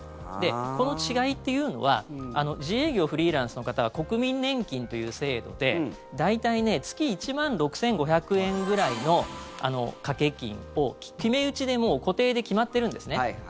この違いというのは自営業・フリーランスの方は国民年金という制度で大体、月１万６５００円くらいの掛け金を決め打ちでもう固定で決まってるんですね。